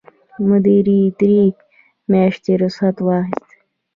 مدیرې درې میاشتې رخصت واخیست.